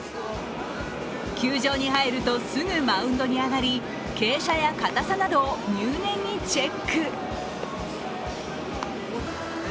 球場に入るとすぐマウンドに上がり傾斜や硬さなどを入念にチェック。